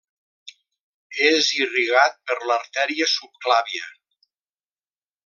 És irrigat per l'artèria subclàvia.